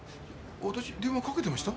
私電話かけてました？